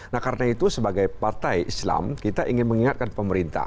nah karena itu sebagai partai islam kita ingin mengingatkan pemerintah